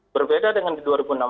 berbeda dengan di dua ribu enam belas